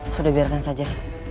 sudah biarkan saja